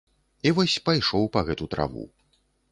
І вось пайшоў па гэту траву.